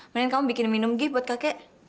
mendingan kamu bikin minum gif buat kakek